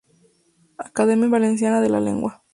Academia Valenciana de la Lengua.